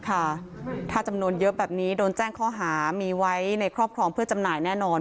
ถ้าจำนวนเยอะแบบนี้โดนแจ้งข้อหามีไว้ในครอบครองเพื่อจำหน่ายแน่นอน